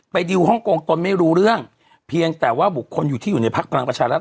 ดิวฮ่องกงตนไม่รู้เรื่องเพียงแต่ว่าบุคคลอยู่ที่อยู่ในพักพลังประชารัฐ